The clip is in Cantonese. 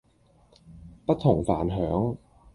不同凡響